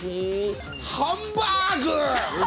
ハンバーグ。